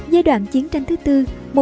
giai đoạn chiến tranh thứ tư